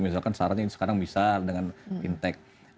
misalkan syaratnya sekarang bisa dengan fintech